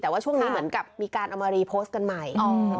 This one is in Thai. แต่ว่าช่วงนี้เหมือนกับมีการเอามารีโพสต์กันใหม่